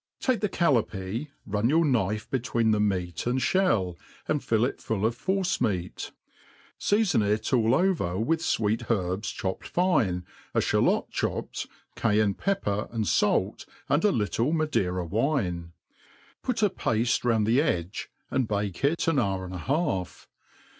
Take the callapee, run jour knife between the meat and (bell,* and f^l it full of for^e ojeat; feafon it all over with 346 THE ART OF COOKERY . with fweet herbs chopped fine, a fliailot chopped, Cayenne pep per and fait, and a Ihtle Madeira wine ; put a pafte round the edge, and bake it an hour and a half.